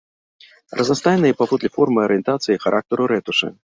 Разнастайныя паводле формы, арыентацыі і характару рэтушы.